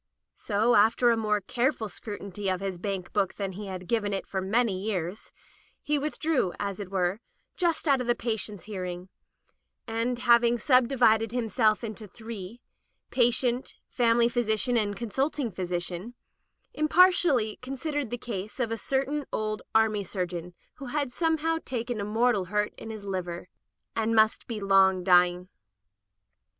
So, after a more careful scrutiny of his bank book than he had given it for many years, he withdrew, as it were, just out of the patient's hearing, and having subdivided himself into three, patient, fam ily physician, and consulting physician, im partially considered the case of a certain old army surgeon who had somehow taken a mortal hurt in his liver, and must be long in Digitized by LjOOQ IC Interventions dying.